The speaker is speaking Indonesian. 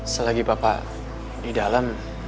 selagi bapak di dalam